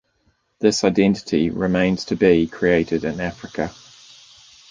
This identity remains to be created in Africa.